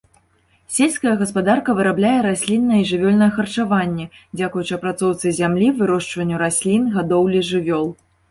Сельская гаспадарка вырабляе расліннае і жывёльнае харчаванне, дзякуючы апрацоўцы зямлі, вырошчванню раслін, гадоўлі жывёл.